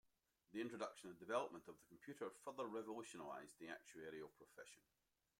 The introduction and development of the computer further revolutionized the actuarial profession.